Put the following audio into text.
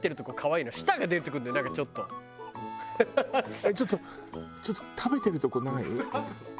えっちょっとちょっと食べてるとこない？